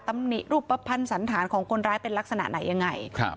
ตำหนิรูปภัณฑ์สันธารของคนร้ายเป็นลักษณะไหนยังไงครับ